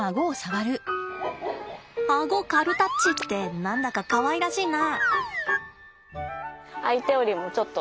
あご軽タッチって何だかかわいらしいな。